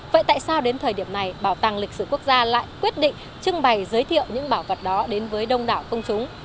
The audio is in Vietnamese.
vậy tại sao đến thời điểm này bảo tàng lịch sử quốc gia lại quyết định trưng bày giới thiệu những bảo vật đó đến với đông đảo công chúng